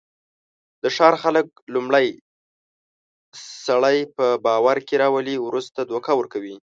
د ښار خلک لومړی سړی په باورکې راولي، ورسته دوکه ورکوي.